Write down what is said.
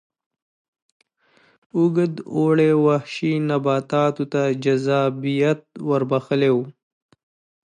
اوږد اوړي وحشي نباتاتو ته جذابیت ور بخښلی و.